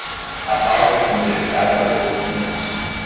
A pauta foi modificada há poucos minutos